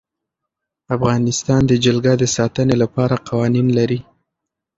افغانستان د جلګه د ساتنې لپاره قوانین لري.